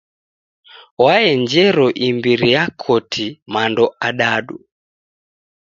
Waenjero imbiri ya koti mando adadu.